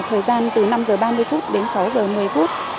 thời gian từ năm giờ ba mươi phút đến sáu giờ một mươi phút